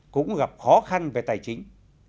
cũng gặp khó khăn về tài chính